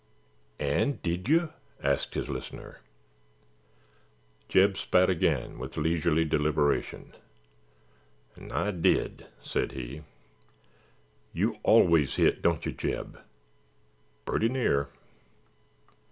"And did you?" asked his listener. Jeb spat again with leisurely deliberation. "'N' I did," said he. "You always hit, don't you, Jeb?" "Purty near."